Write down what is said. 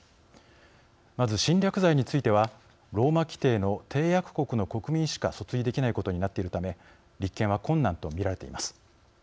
まず、侵略罪についてはローマ規程の締約国の国民しか訴追できないことになっているため立件は困難とみられています。